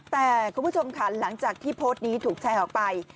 แต่คุณผู้ชมค่ะหลังจากที่โพสต์นี้ถูกแชร์ออกไป